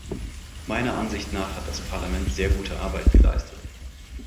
Meiner Ansicht nach hat das Parlament sehr gute Arbeit geleistet.